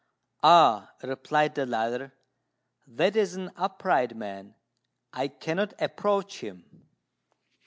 "Ah," replied the latter, "that is an upright man: I cannot approach him."